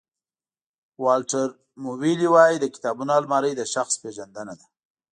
والټر مویلي وایي د کتابونو المارۍ د شخص پېژندنه ده.